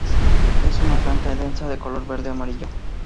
Es una planta densa de color verde-amarillo.